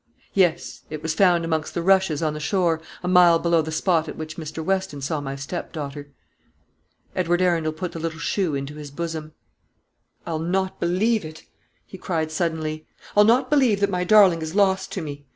"Yes; it was found amongst the rushes on the shore, a mile below the spot at which Mr. Weston saw my step daughter." Edward Arundel put the little shoe into his bosom. "I'll not believe it," he cried suddenly; "I'll not believe that my darling is lost to me.